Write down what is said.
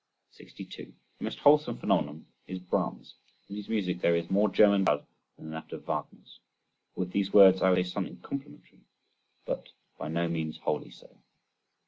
62. The most wholesome phenomenon is Brahms, in whose music there is more German blood than in that of Wagner's. With these words I would say something complimentary, but by no means wholly so.